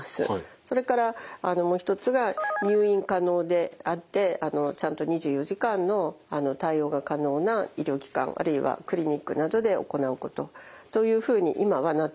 それからもう一つが入院可能であってちゃんと２４時間の対応が可能な医療機関あるいはクリニックなどで行うことというふうに今はなっています。